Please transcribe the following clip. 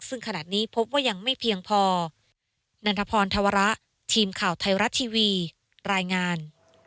ซึ่งขณะนี้พบว่ายังไม่เพียงพอนันทพรธวระทีมข่าวไทยรัฐทีวีรายงาน